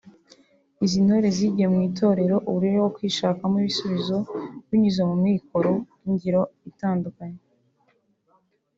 Izi ntore zigiye muri iri torero uburyo bwo kwishakamo ibisubizo binyuze mu mikoro ngiro itandukanye